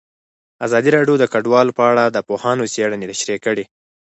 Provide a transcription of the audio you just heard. ازادي راډیو د کډوال په اړه د پوهانو څېړنې تشریح کړې.